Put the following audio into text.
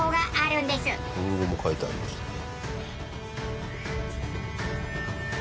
日本語も書いてありましたね。